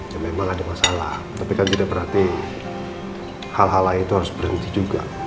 ya memang ada masalah tapi kan tidak berarti hal hal lain itu harus berhenti juga